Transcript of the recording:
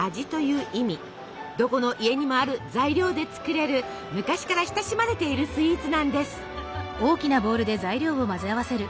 どこの家にもある材料で作れる昔から親しまれているスイーツなんです。